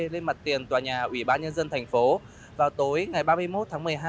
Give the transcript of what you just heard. lên mặt tiền tòa nhà ủy ban nhân dân thành phố vào tối ngày ba mươi một tháng một mươi hai